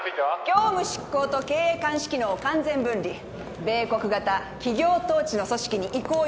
業務執行と経営監視機能を完全分離米国型企業統治の組織に移行予定です。